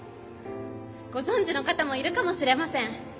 ご存じの方もいるかもしれません。